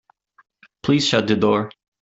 Please shut the door.